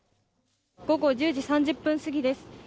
午後１０時３０分過ぎです。